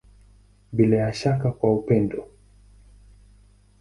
Bila ya shaka kwa upendo.